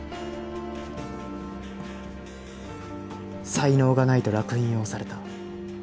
才能がないと烙印を押された。